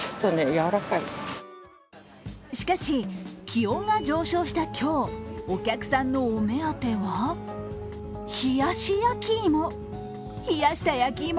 しかし、気温が上昇した今日、お客さんのお目当ては冷やし焼き芋。